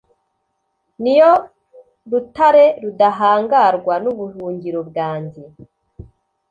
ni yo rutare rudahangarwa n’ubuhungiro bwanjye